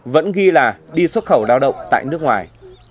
vẫn ghi là đi xuất khẩu lao động tại nước ngoài